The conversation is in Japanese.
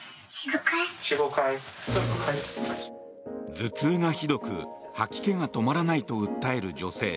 頭痛がひどく吐き気が止まらないと訴える女性。